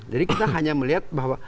kita hanya melihat bahwa